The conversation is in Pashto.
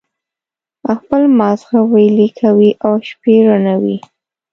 خپل مازغه ویلي کوي او شپې روڼوي.